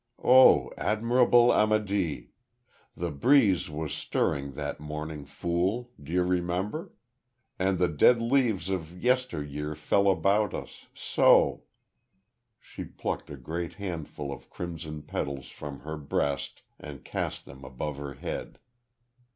Oh, admirable Amedee! ... The breeze was stirring that morning, Fool do you remember? and the dead leaves of yester year fell about us so!" She plucked a great handful of crimson petals from her breast and cast them above her head.